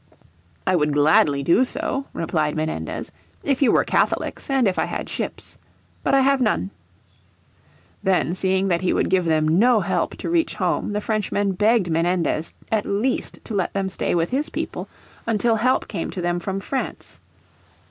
"I would gladly do so," replied Menendez, "if you were Catholics, and if I had ships. But I have none." Then seeing that he would give them no help to reach home, the Frenchmen begged Menendez at least to let them stay with his people until help came to them from France.